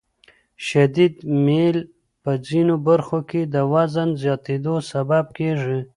شدید میل په ځینو برخو کې د وزن زیاتېدو سبب کېږي.